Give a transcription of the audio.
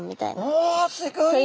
おおすごい！